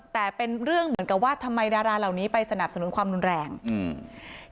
แต่เป็นเรื่องเหมือนกับว่าทำไมดาราเหล่านี้ไปสนับสนุนความรุนแรงอืม